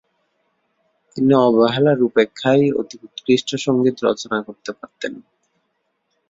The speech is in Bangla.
তিনি অবহেলায় উপেক্ষায় অতি উৎকৃষ্ট সঙ্গীত রচনা করতে পারতেন।